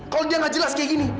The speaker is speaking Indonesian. kalau dia nggak jelas kayak gini